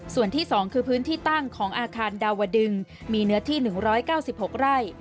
ส่วนที่๒คือพื้นที่ตั้งของอาคารดาวดึงมีเนื้อที่๑๙๖ไร่